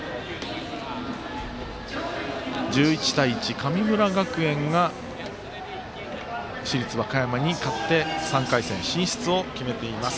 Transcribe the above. １１対１、神村学園が市立和歌山に勝って３回戦進出を決めています。